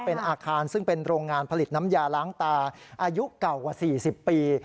เป็นอาคารซึ่งเป็นโรงงานผลิตน้ำยาล้างตาอายุเก่ากว่า๔๐ปี